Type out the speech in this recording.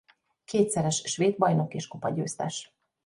Kétszeres svéd bajnok és kupagyőztes.